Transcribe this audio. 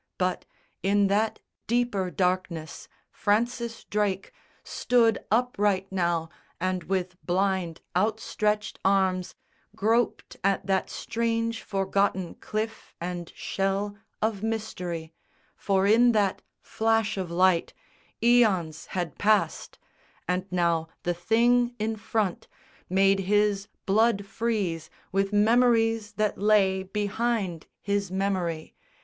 But, in that deeper darkness, Francis Drake Stood upright now, and with blind outstretched arms Groped at that strange forgotten cliff and shell Of mystery; for in that flash of light Æons had passed; and now the Thing in front Made his blood freeze with memories that lay Behind his Memory.